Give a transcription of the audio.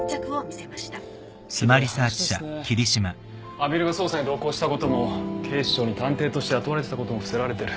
阿比留が捜査に同行したことも警視庁に探偵として雇われてたことも伏せられてる。